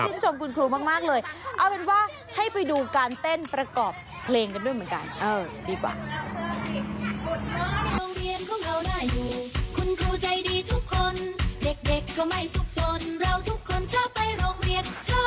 ชมคุณครูมากเลยเอาเป็นว่าให้ไปดูการเต้นประกอบเพลงกันด้วยเหมือนกัน